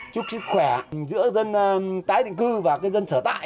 chúc sức khỏe giữa dân tái định cư và dân sở tại